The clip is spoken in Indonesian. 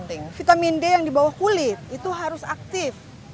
penting vitamin d yang di bawah kulit itu harus aktif